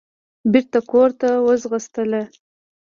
بېرته کورته وځغاستله.